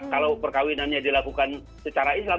kalau perkawinannya dilakukan secara islam